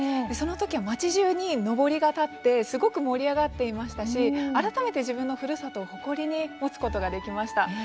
そのとき、町じゅうにのぼりが立ってすごく盛り上がっていましたし改めて自分のふるさとに誇りを持つことができました。